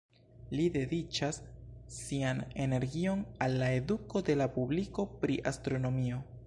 Li dediĉas sian energion al la eduko de la publiko pri astronomio.